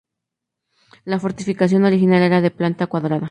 La fortificación original era de planta cuadrada.